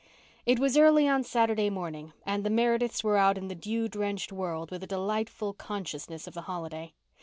It was early on Saturday morning and the Merediths were out in the dew drenched world with a delightful consciousness of the holiday.